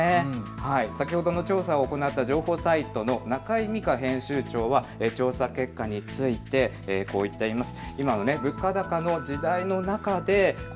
先ほどの調査を行った情報サイトの仲井美夏編集長は調査結果について、こう言っています。